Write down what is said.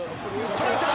捉えた！